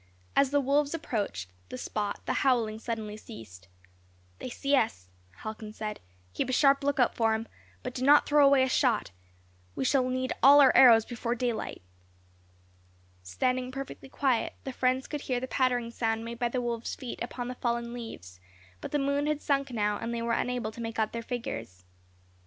As the wolves approached the spot the howling suddenly ceased. "They see us," Halcon said; "keep a sharp look out for them, but do not throw away a shot; we shall need all our arrows before daylight." Standing perfectly quiet, the friends could hear the pattering sound made by the wolves' feet upon the fallen leaves; but the moon had sunk now, and they were unable to make out their figures.